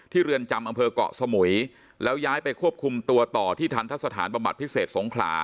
เรือนจำอำเภอกเกาะสมุยแล้วย้ายไปควบคุมตัวต่อที่ทันทะสถานบำบัดพิเศษสงขลา